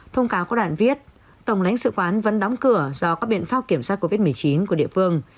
thông cáo của đoạn viết tổng lãnh sự quán vẫn đóng cửa do các biện pháp kiểm soát covid một mươi chín của địa phương